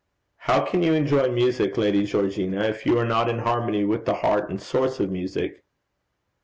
'How can you enjoy music, Lady Georgina, if you are not in harmony with the heart and source of music?'